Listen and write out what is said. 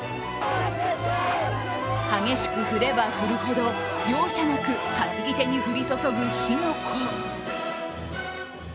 激しく振れば振るほど容赦なく担ぎ手に降り注ぐ火の粉。